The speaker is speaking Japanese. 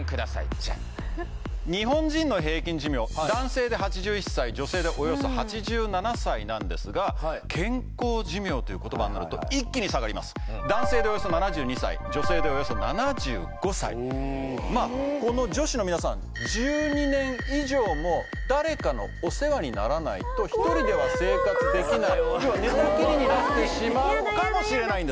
ジャン日本人の平均寿命男性で８１歳女性でおよそ８７歳なんですが男性でおよそ７２歳女性でおよそ７５歳まあこの女子の皆さんえっ１２年以上も誰かのお世話にならないと１人では生活できない要は寝たきりになってしまうかもしれないんですよ